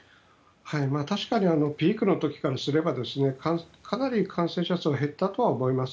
確かにピークの時からすればかなり感染者数は減ったとは思います。